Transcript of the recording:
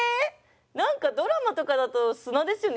何かドラマとかだと砂ですよね？